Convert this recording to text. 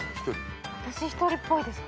私１人っぽいです。